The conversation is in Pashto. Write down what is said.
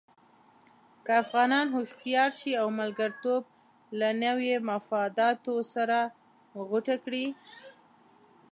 که افغانان هوښیار شي او ملګرتوب له نویو مفاداتو سره غوټه کړي.